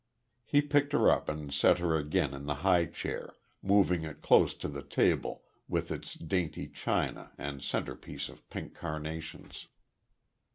He picked her up and set her again in the high chair, moving it close to the table with its dainty china and center piece of pink carnations.